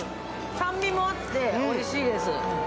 酸味もあっておいしいです。